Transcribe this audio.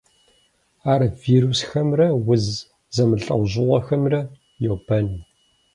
Ар вирусхэмрэ уз зэмылӏэужьыгъуэхэмрэ йобэн.